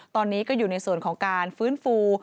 ตอนนี้ก็อยู่ในส่วนของการฟื้นฟู